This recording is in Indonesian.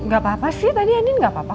gak apa apa sih tadi andin gak apa apa